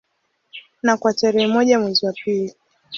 Na kwa tarehe moja mwezi wa pili